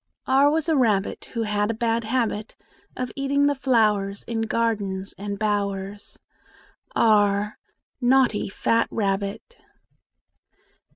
R was a rabbit, Who had a bad habit Of eating the flowers In gardens and bowers. r Naughty fat rabbit!